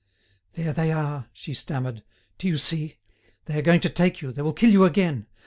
"There they are!" she stammered. "Do you see? They are going to take you, they will kill you again.